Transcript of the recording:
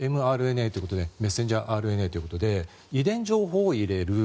ｍＲＮＡ、メッセンジャーＲＮＡということで遺伝情報を入れる。